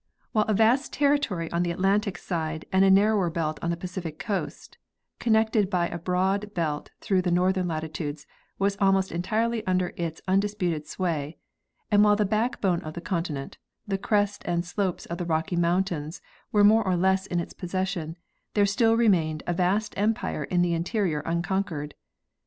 While a vast territory on the Atlantic side and a narrower belt on the Pacific toast, connected by a broad belt through the northern latitudes, was almost entirely under its undisputed sway, and while the back bone of the continent, the crest and slopes of the Rocky mountains, was more or less in its possession, there still remained a vast empire in the interior unconquered.